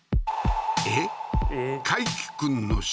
えっ？